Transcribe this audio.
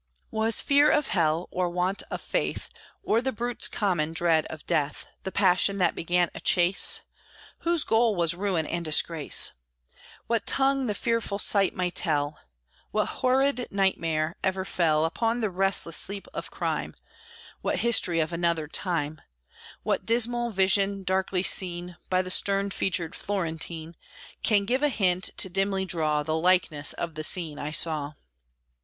Was fear of hell, or want of faith, Or the brute's common dread of death The passion that began a chase, Whose goal was ruin and disgrace? What tongue the fearful sight may tell? What horrid nightmare ever fell Upon the restless sleep of crime What history of another time What dismal vision, darkly seen By the stern featured Florentine, Can give a hint to dimly draw The likeness of the scene I saw?